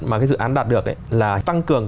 mà cái dự án đạt được là tăng cường